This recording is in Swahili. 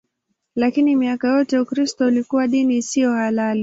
Lakini miaka yote Ukristo ulikuwa dini isiyo halali.